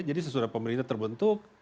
jadi sesudah pemerintah terbentuk